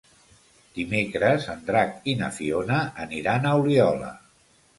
Dimecres en Drac i na Fiona aniran a Oliola.